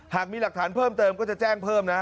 หากมีหลักฐานเพิ่มเติมก็จะแจ้งเพิ่มนะ